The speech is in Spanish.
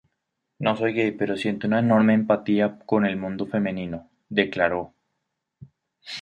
No soy gay, pero siento una enorme empatía con el mundo femenino", declaró.